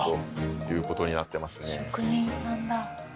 職人さんだ。